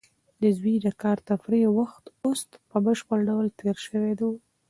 د زوی د کار د تفریح وخت اوس په بشپړ ډول تېر شوی و.